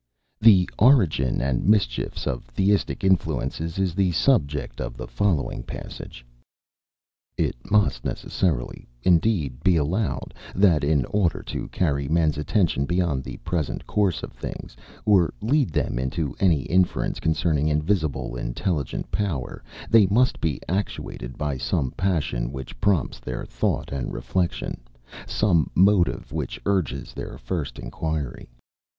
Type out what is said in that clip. The origin and mischiefs of Theistic influences is the subject of the following passage: "It must necessarily, indeed, be allowed, that in order to carry men's attention beyond the present course of things, or lead them into any inference concerning invisible intelligent power, they must be actuated by some passion which prompts their thought and reflection, some motive which urges their first inquiry.